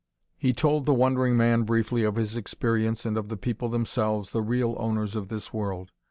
He told the wondering man briefly of his experience and of the people themselves, the real owners of this world.